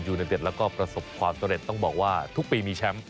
อยู่ในเบียดแล้วก็ประสบความเจร็จต้องบอกว่าทุกปีมีแชมป์